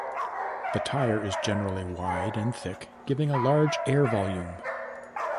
The tire is generally wide and thick, giving a large air volume.